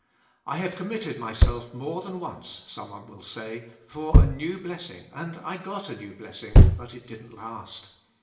''I have committed myself more than once," some one will say, for a new blessing and I g ot a new blessing", but it didn't last.